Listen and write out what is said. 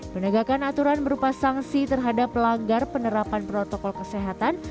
penegakan aturan berupa sanksi terhadap pelanggar penerapan protokol kesehatan